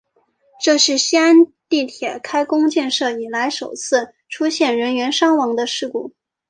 这是西安地铁开工建设以来首次出现人员伤亡的事故。